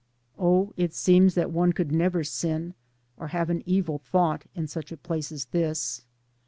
Oh, it seems that one could never sin, or have an evil thought, in such a place as this.